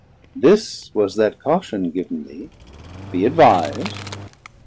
This was that caution giv'n thee; be advis'd.